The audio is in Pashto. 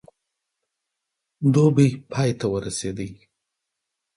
دوبی پای ته ورسېدی.